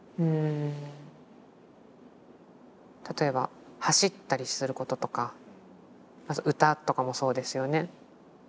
例えば走ったりすることとか歌とかもそうですよね。